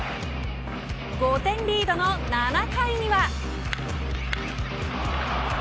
５点リードの７回には。